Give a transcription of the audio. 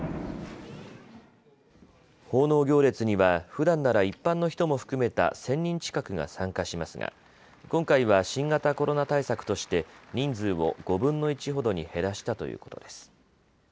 奉納行列にはふだんなら一般の人も含めた１０００人近くが参加しますが今回は新型コロナ対策として人数を５分の１ほどに減らしたということです。